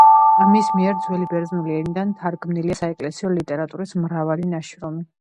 მის მიერ ძველი ბერძნული ენიდან თარგმნილია საეკლესიო ლიტერატურის მრავალი ნაშრომი.